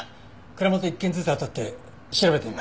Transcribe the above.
蔵元を一軒ずつあたって調べてみます。